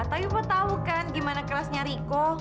tapi apa tahu kan gimana kelasnya riku